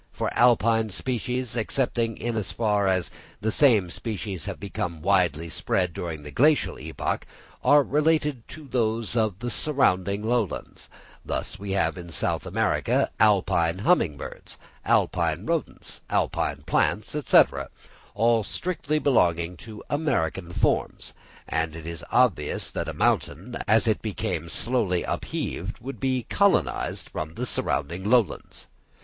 For Alpine species, excepting in as far as the same species have become widely spread during the Glacial epoch, are related to those of the surrounding lowlands; thus we have in South America, Alpine humming birds, Alpine rodents, Alpine plants, &c., all strictly belonging to American forms; and it is obvious that a mountain, as it became slowly upheaved, would be colonised from the surrounding lowlands.